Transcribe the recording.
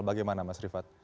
bagaimana mas rifat